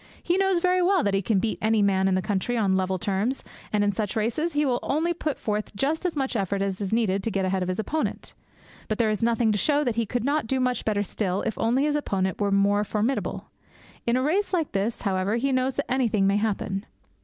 He knows very well that he can beat any man in the country on level terms, and in such races he will only put forth just as much effort as is needed to get ahead of his opponent. But there is nothing to show that he could not do much better still if only his opponent were more formidable. In a race like this, however, he knows that anything may happen.